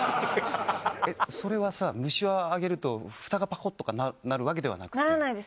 それはさ虫をあげるとフタがパコっとかなるわけではなくて？ならないです